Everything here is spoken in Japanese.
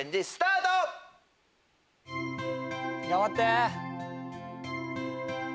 頑張って。